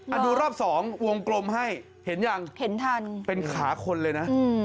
ดูรอบสองวงกลมให้เห็นยังเห็นทันเป็นขาคนเลยนะ